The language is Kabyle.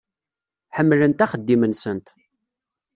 Ḥemmlent axeddim-nsent.